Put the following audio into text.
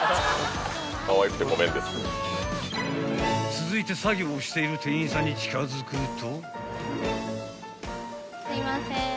［続いて作業している店員さんに近づくと］